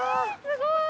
すごい！